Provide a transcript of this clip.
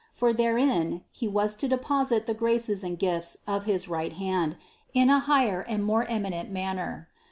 For therein He was to deposit the graces and gifts of his right hand in a higher and more eminent manner.